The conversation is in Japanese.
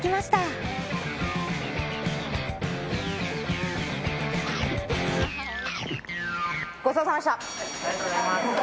ありがとうございます。